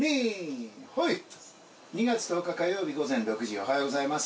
２月１０日火曜日午前６時おはようございます